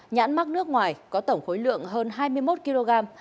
nhãn mắc nước ngoài có tổng khối lượng hơn hai mươi một kg